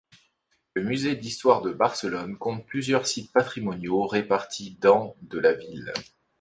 Le musée d'histoire de Barcelone compte plusieurs sites patrimoniaux répartis dans de la ville.